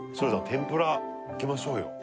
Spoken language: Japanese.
天ぷらいきましょうよ